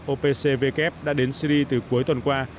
opcwf đã đến syria từ cuối tuần qua